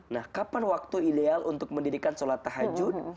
nah kapan waktu ideal untuk mendirikan sholat tahajud